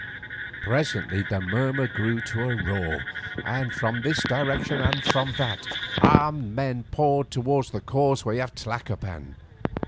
Presently the murmur grew to a roar, and from this direction and from that, armed men poured towards the causeway of Tlacopan.